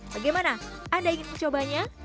bagaimana anda ingin mencobanya